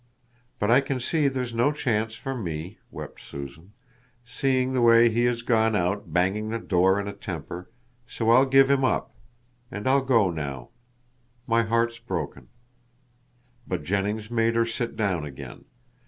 But I can see there's no chance for me," wept Susan, "seeing the way he has gone out, banging the door in a temper, so I'll give him up. And I'll go now. My heart's broken." But Jennings made her sit down again.